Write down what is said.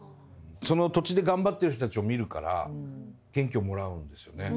その土地で頑張ってる人たちを見るから元気をもらうんですよね。